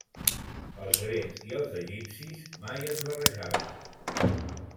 Els grecs i els egipcis mai es barrejaven.